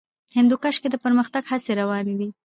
هندوکش کې د پرمختګ هڅې روانې دي.